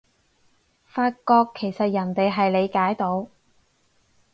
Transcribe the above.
發覺其實人哋係理解到